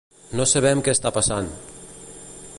No sabem què està passant.